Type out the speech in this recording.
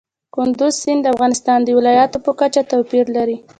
کندز سیند د افغانستان د ولایاتو په کچه توپیر لري.